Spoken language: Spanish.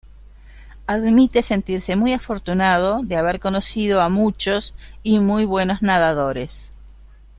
Admite sentirse muy afortunado de haber conocido a muchos y muy buenos nadadores.